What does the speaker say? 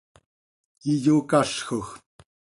iyocazjoj.